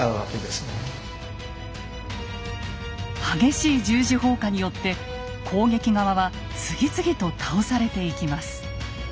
激しい十字砲火によって攻撃側は次々と倒されていきます。